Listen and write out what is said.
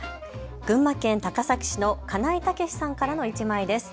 群馬県高崎市の金井猛さんからの１枚です。